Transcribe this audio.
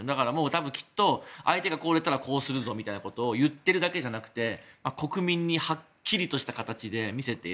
きっと相手がこう出たらこうするぞみたいなことを言っているだけじゃなくて国民にはっきりとした形で見せている。